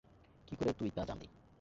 কী করে তুই তা জানলি?